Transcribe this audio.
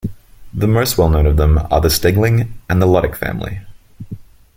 The most well known of them are the Stegling and the Ludick family.